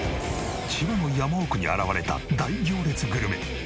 千葉の山奥に現れた大行列グルメ。